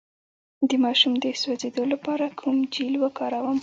د ماشوم د سوځیدو لپاره کوم جیل وکاروم؟